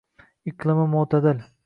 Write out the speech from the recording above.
iqlimi moʻtadil